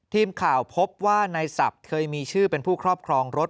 พบว่านายศัพท์เคยมีชื่อเป็นผู้ครอบครองรถ